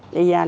thì giờ nó